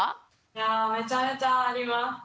いやめちゃめちゃあります。